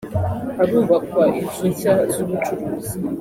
harubakwa inzu nshya z’ubucuruzi